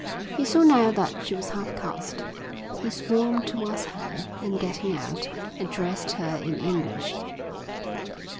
He saw now that she was half caste. He swam towards her and, getting out, addressed her in English.